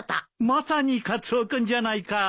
まさにカツオ君じゃないか。